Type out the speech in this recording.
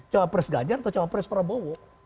cawapres ganjar atau cawapres prabowo